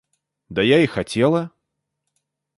Да я и хотела.